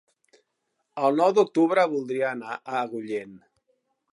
El nou d'octubre voldria anar a Agullent.